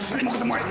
saya mau ketemu aini